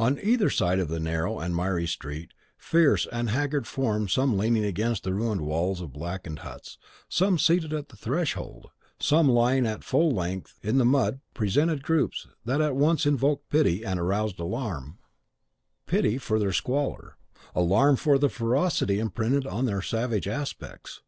On either side the narrow and miry street, fierce and haggard forms some leaning against the ruined walls of blackened huts, some seated at the threshold, some lying at full length in the mud presented groups that at once invoked pity and aroused alarm: pity for their squalor, alarm for the ferocity imprinted on their savage aspects.